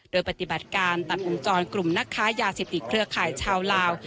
โดยปฏิบัติการตัดวงจรกลุ่มนักค้ายาเสพติดเครือข่ายชาวลาว